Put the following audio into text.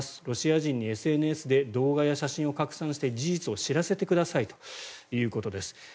ロシア人にＳＮＳで動画や写真を拡散して事実を知らせてくださいということです。